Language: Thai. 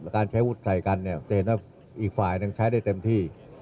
การใช้อุดใดกันจะเห็นว่าอีกฝ่ายนึงใช้ได้เต็มที